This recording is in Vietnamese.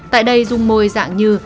tại đây rung môi dạng như